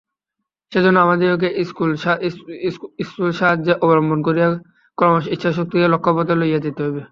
সেজন্য আমাদিগকে স্থূল সাহায্য অবলম্বন করিয়া ক্রমশ ইচ্ছাশক্তিকে লক্ষ্যপথে লইয়া যাইতে হইবে।